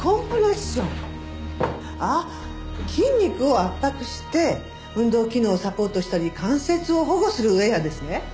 あっ筋肉を圧迫して運動機能をサポートしたり関節を保護するウェアですね？